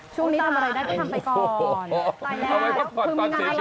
ช่วงนี้ทำอะไรได้ไปทำไปก่อน